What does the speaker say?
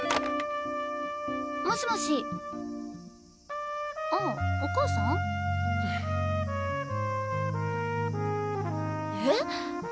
もしもしあお母さん？え！？